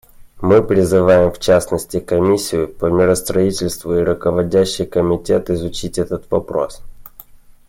Мы призываем, в частности, Комиссию по миростроительству и Руководящий комитет изучить этот вопрос.